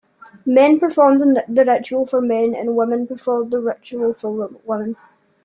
Men performed the ritual for men, and women performed the ritual for women.